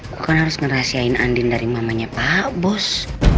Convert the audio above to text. aku kan harus ngerahasiain andin dari mamanya pak bos